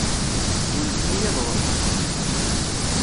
Unfen-iyi ad ruḥeɣ.